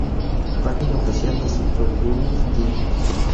Página oficial de Super Junior T